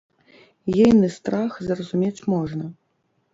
Ейны страх зразумець можна.